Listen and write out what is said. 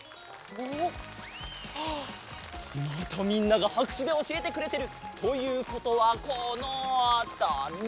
あっまたみんながはくしゅでおしえてくれてる！ということはこのあたり？